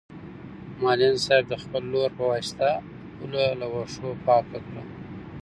معلم صاحب د خپل لور په واسطه پوله له واښو پاکه کړه.